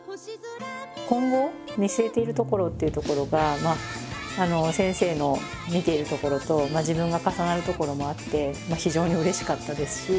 今後見据えているところっていうところが先生の見ているところと自分が重なるところもあって非常にうれしかったですし。